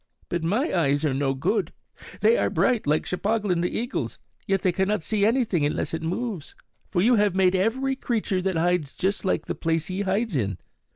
But my eyes are no good; they are bright, like Cheplahgan the eagle's, yet they cannot see anything unless it moves; for you have made every creature that hides just like the place he hides in.